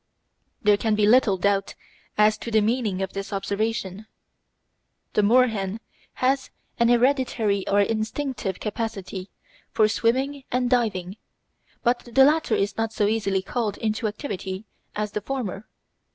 There can be little doubt as to the meaning of this observation. The moorhen has an hereditary or instinctive capacity for swimming and diving, but the latter is not so easily called into activity as the former.